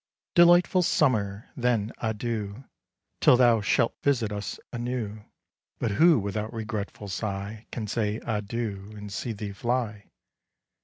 Delightful Summer! then adieu Till thou shalt visit us anew: But who without regretful sigh Can say, adieu, and see thee fly?